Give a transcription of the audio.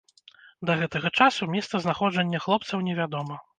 Да гэтага часу месца знаходжання хлопцаў невядома.